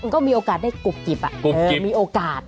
ก็มีโอกาสได้กรุบกิบมีโอกาส